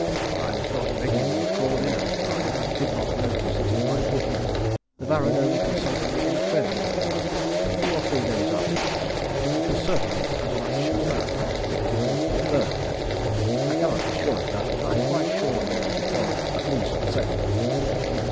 I was not regularly called in at the time, and did not notice it in my book. The Baron only consulted me in a friendly way about it, two or three days afterwards. It was certainly as much as that. I think it was the third day. I cannot be sure of that, but I am quite sure it was at least the second.